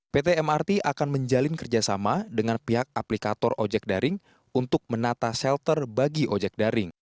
pt mrt akan menjalin kerjasama dengan pihak aplikator ojek daring untuk menata shelter bagi ojek daring